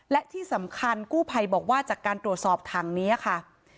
และที่สำคัญกู้ภัยบอกว่าจากการตรวจสอบถังนี้ค่ะ